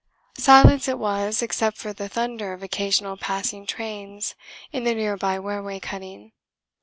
Silence it was, except for the thunder of occasional passing trains in the near by railway cutting.